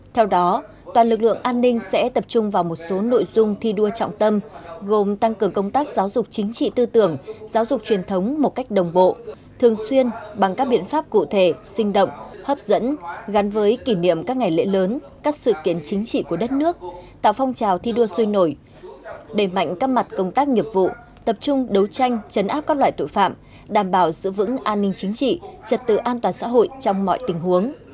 theo đó toàn lực lượng an ninh sẽ tập trung vào một số nội dung thi đua trọng tâm gồm tăng cường công tác giáo dục chính trị tư tưởng giáo dục truyền thống một cách đồng bộ thường xuyên bằng các biện pháp cụ thể sinh động hấp dẫn gắn với kỷ niệm các ngày lễ lớn các sự kiện chính trị của đất nước tạo phong trào thi đua xuôi nổi đẩy mạnh các mặt công tác nghiệp vụ tập trung đấu tranh chấn áp các loại tội phạm đảm bảo giữ vững an ninh chính trị trật tự an toàn xã hội trong mọi tình huống